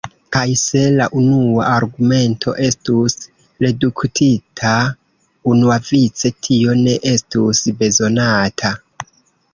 Kaj se la unua argumento estus reduktita unuavice, tio ne estus bezonata.